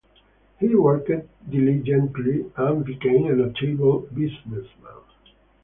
He worked diligently and became a notable businessman.